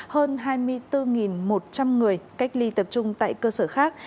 hơn hai mươi bốn một trăm linh người cách ly tập trung tại cơ sở khác